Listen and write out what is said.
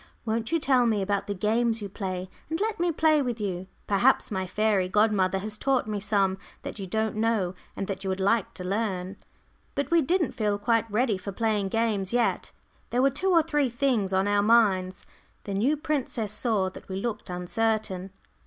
"Won't you tell me about the games you play, and let me play with you. Perhaps my fairy godmother has taught me some that you don't know and that you would like to learn." But we didn't feel quite ready for playing games yet. There were two or three things on our minds. The new princess saw that we looked uncertain.